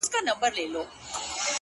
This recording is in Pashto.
افسوس كوتر نه دى چي څوك يې پټ كړي.!